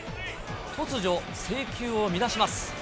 突如、制球を乱します。